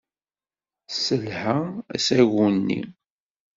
Tesselha asagu-nni.